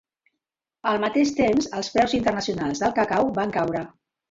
Al mateix temps, els preus internacionals del cacau van caure.